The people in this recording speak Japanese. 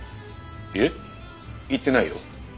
いえ行ってないよ。